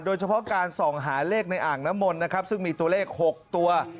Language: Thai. โดยเฉพาะการส่องหาเลขในอ่างน้ำมนต์นะครับซึ่งมีตัวเลข๖ตัว